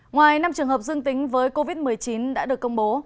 ngoài năm trường hợp dương tính với covid một mươi chín đã được công bố